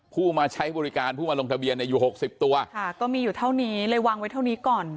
ผู้มาใช้บริการผู้มาลงทะเบียนเนี่ยอยู่หกสิบตัวค่ะก็มีอยู่เท่านี้เลยวางไว้เท่านี้ก่อน